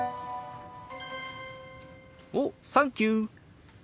「おサンキュー」。